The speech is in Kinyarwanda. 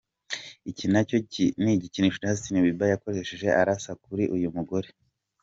Iki nicyo gikinisho Justin Bieber yakoresheje arasa kuri uyu mugore.